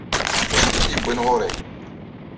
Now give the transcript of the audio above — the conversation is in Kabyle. D acu ay k-id-yewwin ɣer-i?